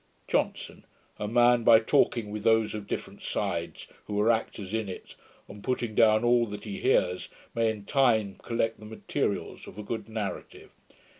JOHNSON. 'A man, by talking with those of different sides, who were actors in it, and putting down all that he hears, may in time collect the materials of a good narrative.